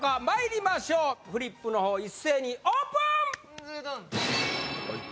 まいりましょうフリップの方一斉にオープン！